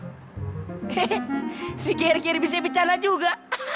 he he si kiri kiri bisa bicara juga